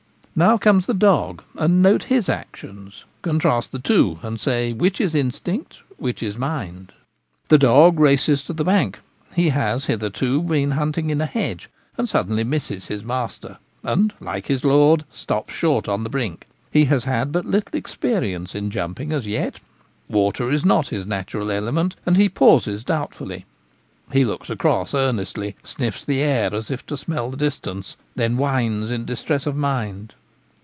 Now comes the dog, and note his actions ; contrast the two, and say which is instinct, which is mind. The dog races to the bank — he has been hitherto hunting in a hedge and suddenly misses his master — and, like his lord, stops short on the brink. He has had but little experience in jumping as yet ; water is not his natural element, and he pauses doubtfully. He looks across earnestly, sniffs the air as if to smell the distance, then whines in distress of mind.